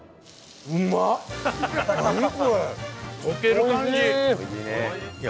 溶ける感じ。